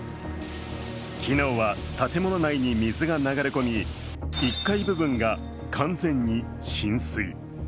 昨日は建物内に水が流れ込み１階部分が完全に浸水。